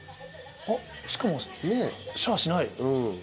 あっしかも「シャ」しない。